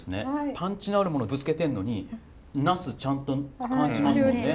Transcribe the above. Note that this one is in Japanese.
パンチのあるものぶつけてんのにナスちゃんと感じますもんね。